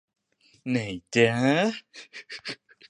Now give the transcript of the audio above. ไหนจ้ะ